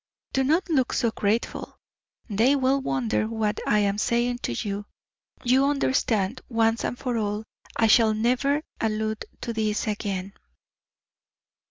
Do not look so grateful; they will wonder what I am saying to you. You understand, once and for all, I shall never allude to this again."